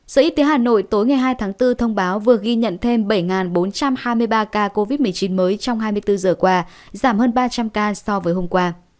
sở y tế hà nội tối ngày hai tháng bốn thông báo vừa ghi nhận thêm bảy bốn trăm hai mươi ba ca covid một mươi chín mới trong hai mươi bốn giờ qua giảm hơn ba trăm linh ca so với hôm qua